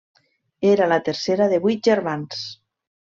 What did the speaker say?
Era la tercera de vuit germans.